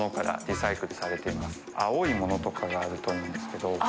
青いものとかがあると思うんですけど。